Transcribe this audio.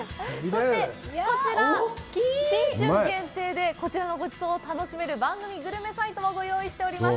新春限定でこちらのごちそうを楽しめる番組グルメサイトもご用意しています！